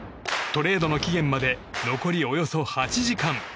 トレードの期限まで残り、およそ８時間。